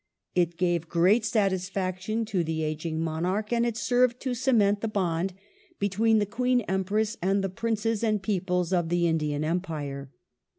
It gave gi'eat satisfaction to the ageing Monarch, and it served to cement the bond between the Queen Empress and the Princes and peoples of the Indian Empire.